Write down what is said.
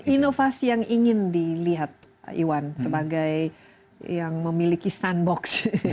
inovasi yang ingin dilihat iwan sebagai yang memiliki sandbox